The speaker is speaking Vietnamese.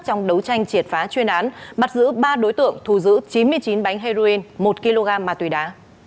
trong đấu tranh triệt phá chuyên án bắt giữ ba đối tượng thu giữ chín mươi chín bánh heroin một kg ma túy đá